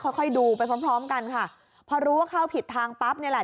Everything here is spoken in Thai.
ค่อยค่อยดูไปพร้อมพร้อมกันค่ะพอรู้ว่าเข้าผิดทางปั๊บเนี่ยแหละ